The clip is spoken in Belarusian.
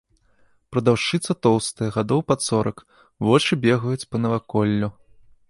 Прадаўшчыца тоўстая, гадоў пад сорак, вочы бегаюць па наваколлю.